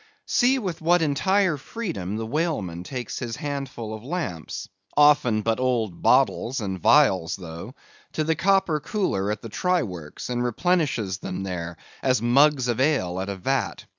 See with what entire freedom the whaleman takes his handful of lamps—often but old bottles and vials, though—to the copper cooler at the try works, and replenishes them there, as mugs of ale at a vat.